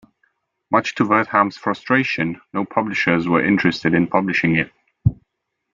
Much to Wertham's frustration, no publishers were interested in publishing it.